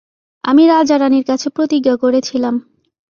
আমি রাজা-রানীর কাছে প্রতিজ্ঞা করেছিলাম।